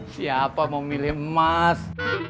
siapa mau milih emas